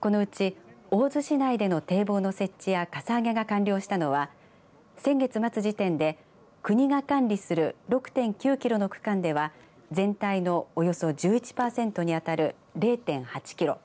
このうち大洲市内の堤防の設置やかさ上げが完了したのは先月末時点で国が管理する６．９キロの区間では全体のおよそ１１パーセントにあたる０．８キロ。